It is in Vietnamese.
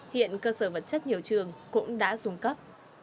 hiện cơ sở vật chất nhiều trường cũng đã dùng cấp